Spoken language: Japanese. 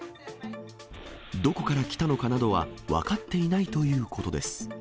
どこから来たのかなどは分かっていないということです。